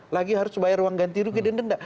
lagi harus bayar uang ganti rugi dan denda